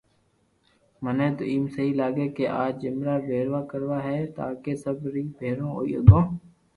مني تو ايم سھي لاگي ڪي اج سب جملا پئرا ڪروا ھي تاڪي سب ري ڀآرو ھوئي ھگو